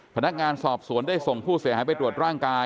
พนักงานสอบสวนได้ส่งผู้เสียหายไปตรวจร่างกาย